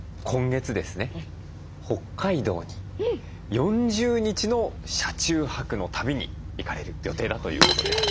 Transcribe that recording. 北海道に４０日の車中泊の旅に行かれる予定だということです。